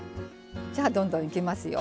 じゃあどんどんいきますよ。